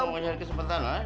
gua ingetin aja gua ingetin aja